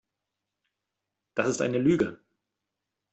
Das ist eine Lüge!